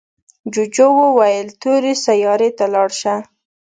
جوجو وویل تورې سیارې ته لاړ شه.